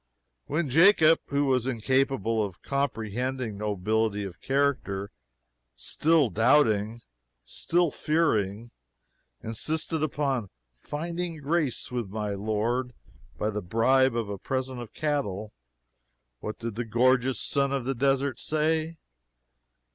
When Jacob who was incapable of comprehending nobility of character still doubting, still fearing, insisted upon "finding grace with my lord" by the bribe of a present of cattle, what did the gorgeous son of the desert say?